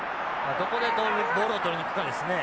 どこでボールを捕りに行くかですね。